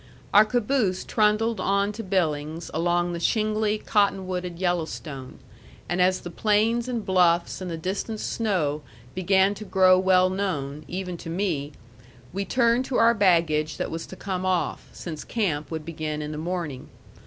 Our caboose trundled on to Billings along the shingly cotton wooded Yellowstone; and as the plains and bluffs and the distant snow began to grow well known, even to me, we turned to our baggage that was to come off, since camp would begin in the morning.